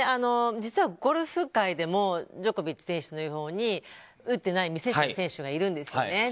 実は、ゴルフ界でもジョコビッチ選手のように打ってない未接種の選手がいるんですね。